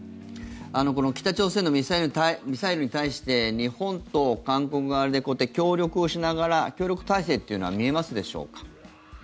北朝鮮のミサイルに対して日本と韓国側で協力をしながら協力体制というのは見えますでしょうか。